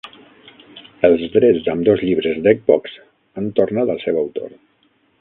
Els drets d'ambdós llibres d'Eggbox han tornat al seu autor.